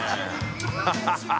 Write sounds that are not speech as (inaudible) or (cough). ハハハ (laughs)